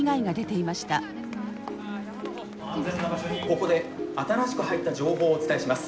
ここで新しく入った情報をお伝えします。